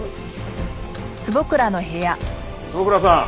坪倉さん。